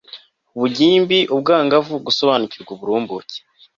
ubugi mbiubwangavu gusobanukirwa uburumbuke